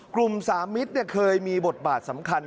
สามิตรเคยมีบทบาทสำคัญ